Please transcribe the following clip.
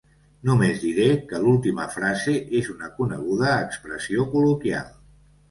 Només diré que l'última frase és una coneguda expressió col·loquial.